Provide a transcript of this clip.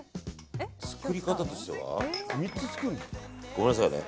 作り方としてはごめんなさいね。